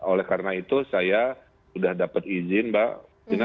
oleh karena itu saya sudah dapat izin mbak